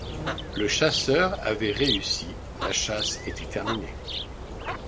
Le chasseur avait réussi ; la chasse était terminée.